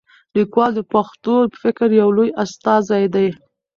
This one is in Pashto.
لیکوال د پښتو فکر یو لوی استازی دی.